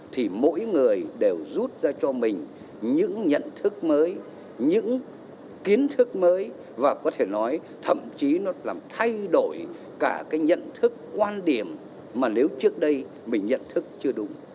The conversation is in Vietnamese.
thì mỗi người đều rút ra cho mình những nhận thức mới những kiến thức mới và có thể nói thậm chí nó làm thay đổi cả cái nhận thức quan điểm mà nếu trước đây mình nhận thức chưa đúng